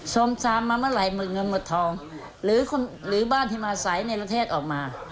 มชามมาเมื่อไหร่หมดเงินหมดทองหรือบ้านที่มาใสในประเทศออกมา